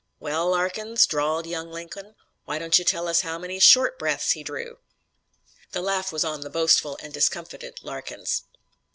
"Well, Larkins," drawled young Lincoln, "why don't you tell us how many short breaths he drew." The laugh was on the boastful and discomfited Larkins.